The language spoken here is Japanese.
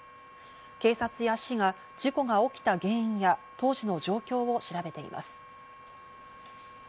警察や市が事故が起きた原因や当時の状況を調べています。